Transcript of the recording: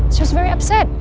dia sangat sedih